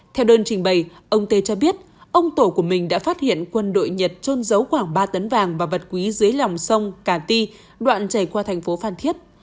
theo đơn trình bày ông tê cho biết ông tổ của mình đã phát hiện quân đội nhật trôn giấu khoảng ba tấn vàng và vật quý dưới lòng sông cà ti đoạn chảy qua thành phố phan thiết